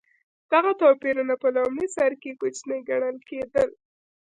دغه توپیرونه په لومړي سر کې کوچني ګڼل کېدل.